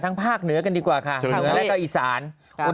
อ๋อเวลาเขาติดทำไมไม่ได้เอากลาวติด